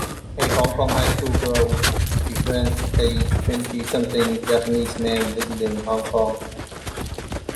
A Hong Kong high school girl befriends a twenty-something Japanese man visiting Hong Kong.